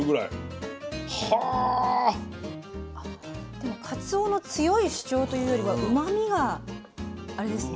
でもかつおの強い主張というよりはうまみがあれですね。